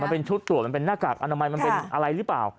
มันเป็นชุดตรวจมันเป็นหน้ากากอนามัยมันเป็นอะไรหรือเปล่า